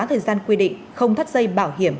thời gian quy định không thắt dây bảo hiểm